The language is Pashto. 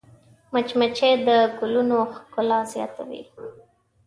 مچمچۍ د ګلونو ښکلا زیاتوي